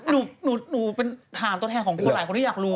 หนูเป็นถามตัวแทนของคนหลายคนที่อยากรู้